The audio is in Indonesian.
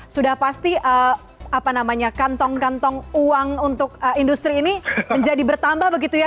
sudah pasti kantong kantong uang untuk industri ini menjadi bertambah begitu ya